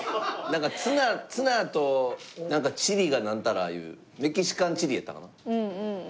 なんかツナとなんかチリがなんたらいうメキシカンチリやったかな？